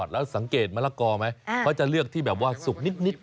แล้วสังเกตมะละกอไหมเขาจะเลือกที่แบบว่าสุกนิด